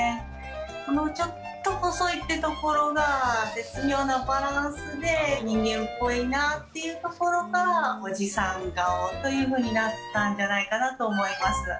このちょっと細いところが絶妙なバランスで、人間っぽいなっていうところから、おじさん顔というふうになったんじゃないかなと思います。